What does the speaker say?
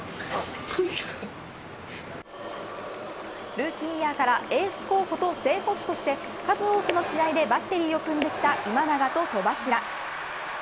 ルーキーイヤーからエース候補と正捕手として数多くの試合でバッテリーを組んできた今永と戸柱。